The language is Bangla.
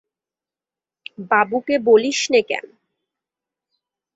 বাবুকে বলিস নে কেন।